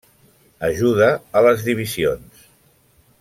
Ajuda a les divisions.